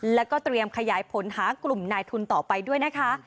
แล้วก็เตรียมขยายผลหากลุ่มนายทุนต่อไปด้วยนะคะ